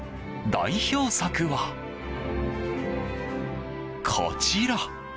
代表作は、こちら。